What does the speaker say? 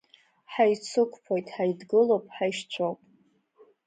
Ҳаицықәԥоит, ҳаидгылоуп, ҳаишьцәоуп…